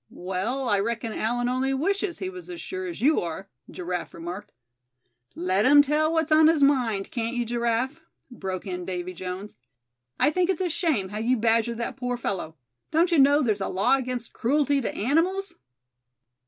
"Well, I reckon Allan only wishes he was as sure as you are," Giraffe remarked. "Let him tell what's on his mind, can't you, Giraffe?" broke in Davy Jones. "I think it's a shame how you badger that poor fellow. Don't you know there's a law against cruelty to animals?"